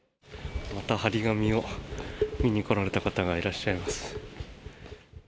また貼り紙を見に来られた方がいらっしゃいます。